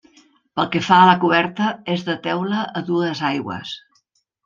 Pel que fa a la coberta és de teula a dues aigües.